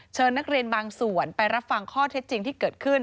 นักเรียนบางส่วนไปรับฟังข้อเท็จจริงที่เกิดขึ้น